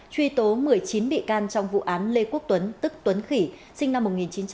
truy tố một mươi chín bị can trong vụ án lê quốc tuấn tức tuấn khỉ sinh năm một nghìn chín trăm tám mươi